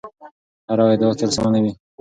هره ادعا تل سمه نه وي.